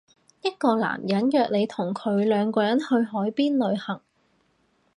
一個男人約你同佢兩個人去海邊旅行